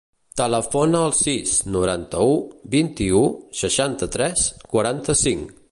Telefona al sis, noranta-u, vint-i-u, seixanta-tres, quaranta-cinc.